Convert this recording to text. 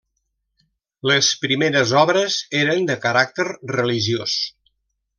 Les primeres obres eren de caràcter religiós.